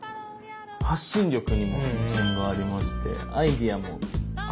発信力にも自信がありましてアイデアもある方かな？